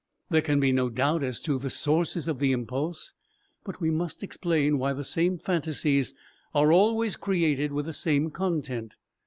There can be no doubt as to the sources of the impulse, but we must explain why the same phantasies are always created with the same content.